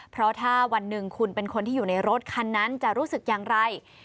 เพราะถ้าวันหนึ่งคุณเป็นคนที่อยู่ในรถคันนั้นจะรู้สึกอย่างไร